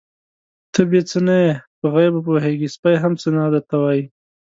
_ته بې څه نه يې، په غيبو پوهېږې، سپی هم څه نه درته وايي.